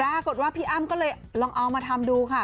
ปรากฏว่าพี่อ้ำก็เลยลองเอามาทำดูค่ะ